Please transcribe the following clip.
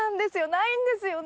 ないんですよね。